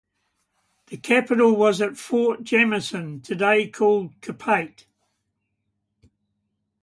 The capital was at Fort Jameson, today called Chipata.